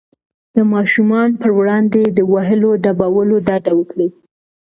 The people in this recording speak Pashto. د ماشومانو پر وړاندې له وهلو ډبولو ډډه وکړئ.